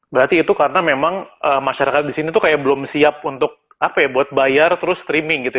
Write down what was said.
berarti itu karena memang masyarakat di sini tuh kayak belum siap untuk apa ya buat bayar terus streaming gitu ya